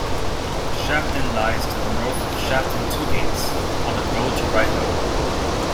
Shafton lies to the north of Shafton Two Gates, on the road to Ryhill.